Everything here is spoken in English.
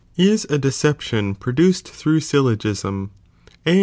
is a deception produced through syllogUm, and i.